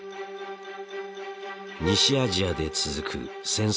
西アジアで続く戦争や紛争。